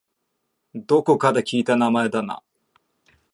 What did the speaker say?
どこかで聞いた名前だな